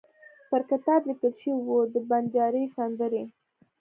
پر کتاب لیکل شوي وو: د بنجاري سندرې.